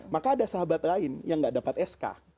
maka ada sahabat lain yang gak dapat sk